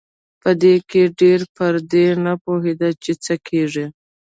په دوی کې ډېر پر دې نه پوهېدل چې څه کېږي.